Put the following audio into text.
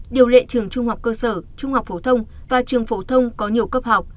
điều lệ trường trung học cơ sở trung học phổ thông và trường phổ thông có nhiều cấp học